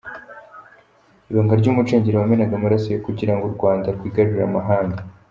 Ibanga ry’Umucengeri wamenaga amaraso ye kugira ngo u Rwanda rwigarurire amahanga.